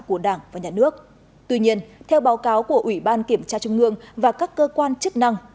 của đảng và nhà nước tuy nhiên theo báo cáo của ủy ban kiểm tra trung ương và các cơ quan chức năng